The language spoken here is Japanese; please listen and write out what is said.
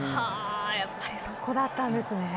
やっぱりそこだったんですね。